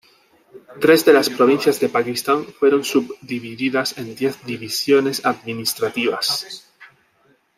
Tres de las provincias de Pakistán fueron subdivididas en diez divisiones administrativas.